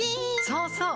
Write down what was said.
そうそう！